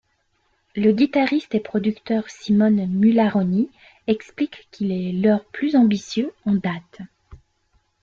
Le guitariste et producteur Simone Mularoni explique qu'il est leur plus ambitieux en date.